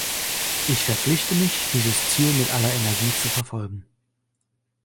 Ich verpflichte mich, dieses Ziel mit aller Energie zu verfolgen.